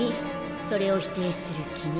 それを否定する君。